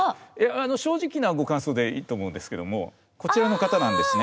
正直なご感想でいいと思うんですけどもこちらの方なんですね。